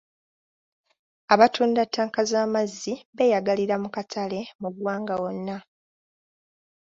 Abatunda ttanka z'amazzi beeyagalira mu katale mu ggwanga wonna.